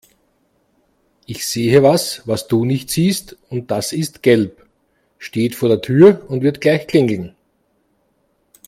Ich sehe was, was du nicht siehst und das ist gelb, steht vor der Tür und wird gleich klingeln.